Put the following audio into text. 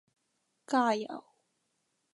加油